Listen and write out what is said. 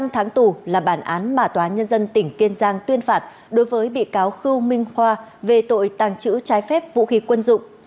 một mươi năm tháng tù là bản án mà tòa nhân dân tỉnh kiên giang tuyên phạt đối với bị cáo khưu minh khoa về tội tàng trữ trái phép vũ khí quân dụng